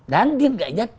đáng tiếc gãy nhất